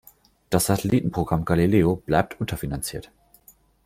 Das Satelliten-Programm Galileo bleibt unterfinanziert.